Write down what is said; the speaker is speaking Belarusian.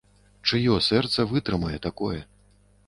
Чыё сэрца вытрымае такое?